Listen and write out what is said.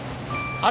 あれ？